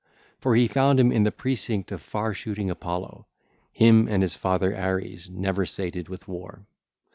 For he found him in the close of far shooting Apollo, him and his father Ares, never sated with war.